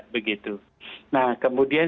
begitu nah kemudian